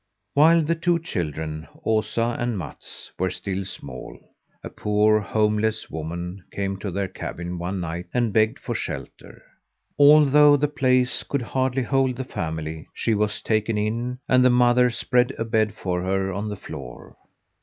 While the two children, Osa and Mats, were still small, a poor, homeless woman came to their cabin one night and begged for shelter. Although the place could hardly hold the family, she was taken in and the mother spread a bed for her on the floor.